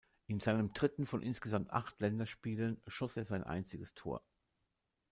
In seinem dritten von insgesamt acht Länderspielen schoss er sein einziges Tor.